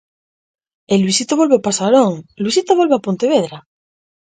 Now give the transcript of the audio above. E Luisito volve a Pasarón, Luisito volve ao Pontevedra.